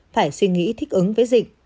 phải suy nghĩ thích ứng với dịch